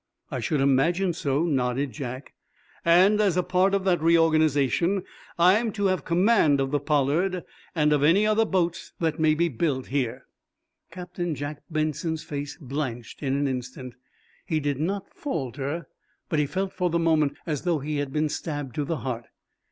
"I should imagine so," nodded Jack. "And, as a part of that reorganization, I'm to have command of the 'Pollard,' and of any other boats that may be built here!" Captain Jack Benson's face blanched in an instant. He did not falter, but he felt, for the moment, as though he had been stabbed to the heart.